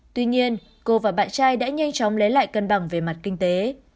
tuy nhiên cô và bạn trai đã nhanh chóng lấy lại cân bằng về mặt kinh tế